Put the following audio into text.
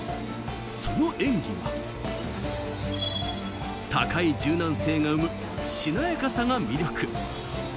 その演技は、高い柔軟性が生む、しなやかさが魅力。